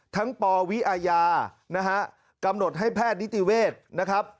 ปวิอาญานะฮะกำหนดให้แพทย์นิติเวศนะครับ